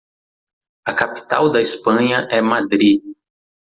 A capital da Espanha é Madri.